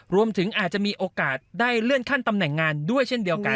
รวมถึงอาจจะมีโอกาสได้เลื่อนขั้นตำแหน่งงานด้วยเช่นเดียวกัน